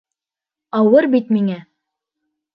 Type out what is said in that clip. Ауыр бит миңә!